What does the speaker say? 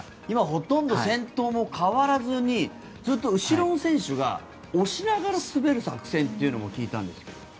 今、ほとんど先頭も変わらずにずっと後ろの選手が押しながら滑る作戦というのも聞いたんですけど。